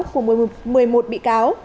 của một mươi một bị cáo